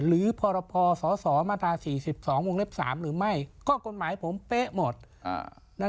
หรือพอรพสอสอมาธาสี่สิบสองมงเล็บสามหรือไม่ก็กฎหมายผมเป๊ะหมดอ่า